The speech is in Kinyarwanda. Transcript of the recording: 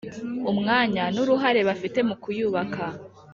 umwanya n’uruhare bafite mu kuyubaka.